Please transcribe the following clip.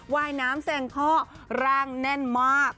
ว่ายน้ำแสงข้อร่างแน่นมาก